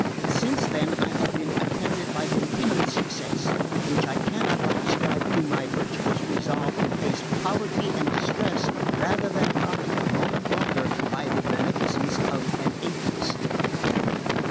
Since then I have been attended by continued success, which I cannot but ascribe to my virtuous resolve to face poverty and distress rather than profit a moment longer by the beneficence of an atheist.